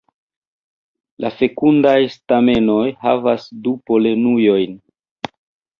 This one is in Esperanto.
La fekundaj stamenoj havas du polenujojn.